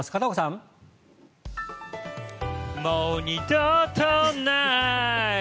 もう二度とない！